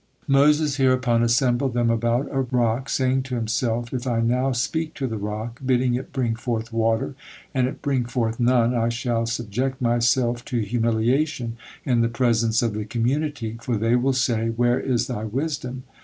'" Moses hereupon assembled them about a rock, saying to himself: "If I now speak to the rock, bidding it bring forth water, and it bring forth none, I shall subject myself to humiliation in the presence of the community, for they will say, 'Where is thy wisdom?'"